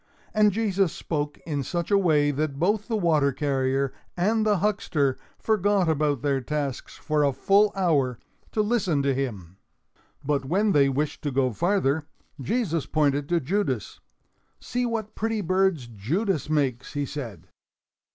And Jesus spoke in such a way that both the water carrier and the huckster forgot about their tasks for a full hour, to listen to him. But when they wished to go farther, Jesus pointed to Judas. "See what pretty birds Judas makes!" he said.